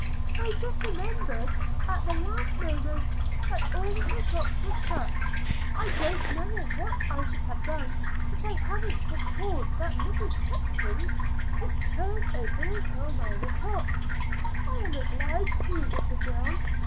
"I just remembered at the last moment that all the shops were shut. I don't know what I should have done if I hadn't recalled that Mrs. Hopkins kept hers open until nine o'clock. I am obliged to you, little girl.